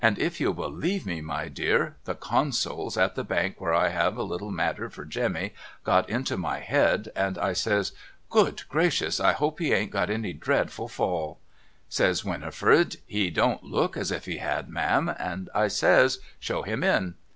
If you'll believe me my dear the Consols at the bank where I have a little matter for Jemmy got into my head, and I says ' Good gracious I hope he ain't had any dreadful fall !' Says Winifred ' He don't look as if he had ma'am.' And I says ' Show him in.'